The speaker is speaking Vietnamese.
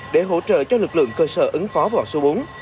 để hỗ trợ cho lực lượng cơ sở ứng phó vào số bốn